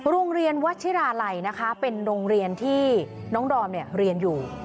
โรงเรียนวัชิราลัยนะคะเป็นโรงเรียนที่น้องดอมเรียนอยู่